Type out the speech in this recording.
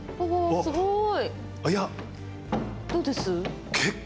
すごい。